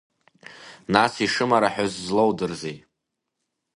Нас ишымараҳәыз злоудырзеи?